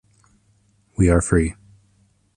We are free.